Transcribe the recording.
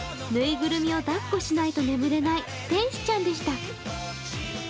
ぬいぐるみをだっこしないと眠れない、天使ちゃんでした。